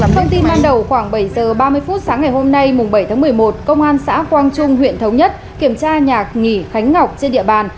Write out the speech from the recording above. thông tin ban đầu khoảng bảy h ba mươi phút sáng ngày hôm nay bảy tháng một mươi một công an xã quang trung huyện thống nhất kiểm tra nhà nghỉ khánh ngọc trên địa bàn